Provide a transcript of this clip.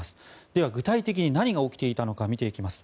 では、具体的に何が起きていたのか見ていきます。